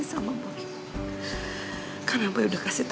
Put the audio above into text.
aku mau datang ke tempatnya kita bour lakeland